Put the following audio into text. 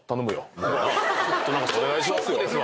「お願いしますよ」